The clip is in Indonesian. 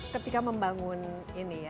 ketika membangun ini ya